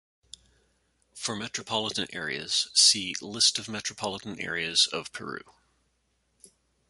For metropolitan areas see List of metropolitan areas of Peru.